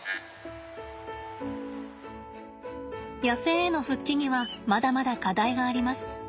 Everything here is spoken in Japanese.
野生への復帰にはまだまだ課題があります。